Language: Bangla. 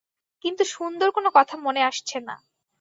কিন্তু সুন্দর কোনো কথা মনে আসছে না।